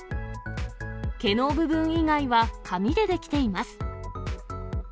毛の部分以外は紙で出来ています。